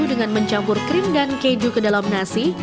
dengan mencampur krim dan keju ke dalam nasi